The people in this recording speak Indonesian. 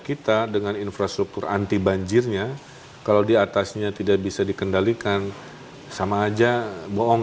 kita dengan infrastruktur anti banjirnya kalau diatasnya tidak bisa dikendalikan sama aja bohong